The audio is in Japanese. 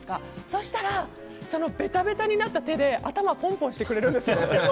そうしたらベタベタになった手で頭をポンポンしてくれるんですよ。